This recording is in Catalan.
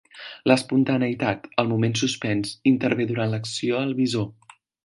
L"espontaneïtat, el moment suspens, intervé durant l"acció al visor.